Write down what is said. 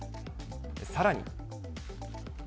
さらに。